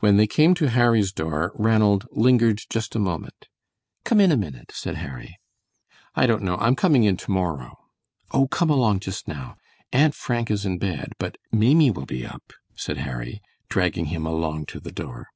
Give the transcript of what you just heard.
When they came to Harry's door Ranald lingered just a moment. "Come in a minute," said Harry. "I don't know; I'm coming in to morrow." "Oh, come along just now. Aunt Frank is in bed, but Maimie will be up," said Harry, dragging him along to the door.